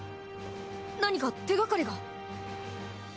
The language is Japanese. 何か手がかりが？